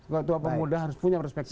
ketua pemuda harus punya perspektif